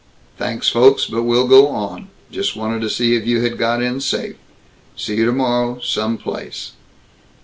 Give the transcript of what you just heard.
Thanks, folks, but we'll go on. Just wanted to see if you had got in safe. See you tomorrow, some place."